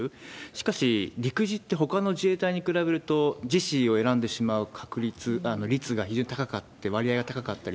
しかし、陸自って、ほかの自衛隊に比べると、自死を選んでしまう率が非常に高かったりする。